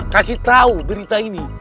kasih tahu berita ini